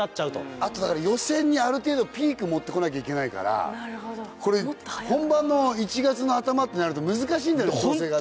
あと予選にある程度ピーク持って来なきゃいけないからこれ本番の１月の頭ってなると難しいんだよね調整がね。